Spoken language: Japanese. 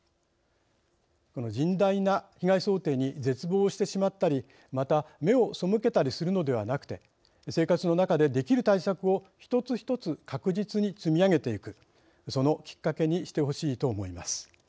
甚大な被害想定に絶望してしまったりまた目を背けたりするのではなくて生活の中でできる対策をひとつひとつ確実に積み上げていくそのきっかけにしてほしいと思います。